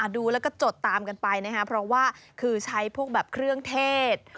ดูแล้วก็จดตามกันไปนะครับเพราะว่าคือใช้พวกแบบเครื่องเทศ